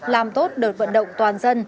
làm tốt đợt vận động toàn dân